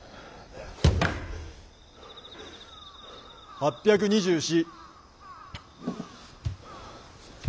８２４。